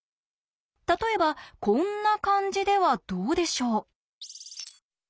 例えばこんな感じではどうでしょう？